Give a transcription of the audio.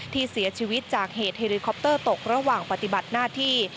ที่เสียชีวิตจากเหตุเฮลิคอปเตอร์ตกระหว่างปฏิบัติหน้าที่